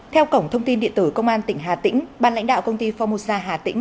theo cổng thông tin điện tử công an tỉnh hà tĩnh ban lãnh đạo công ty formosa hà tĩnh